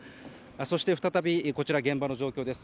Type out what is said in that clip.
そして、再び現場の状況です。